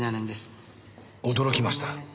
驚きました。